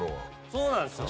そうなんです。